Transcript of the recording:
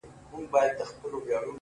د بدرنگ رهبر نظر کي را ايسار دی-